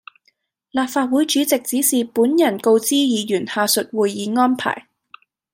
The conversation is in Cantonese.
立法會主席指示本人告知議員下述會議安排